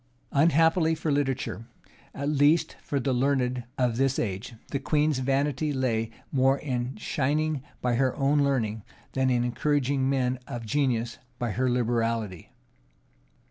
Unhappily for literature, at least for the learned of this age, the queen's vanity lay more in shining by her own learning, than in encouraging men of genius by her liberality.